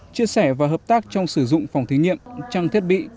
chia sẻ và hợp tác trong sử dụng phòng thí nghiệm trang thiết bị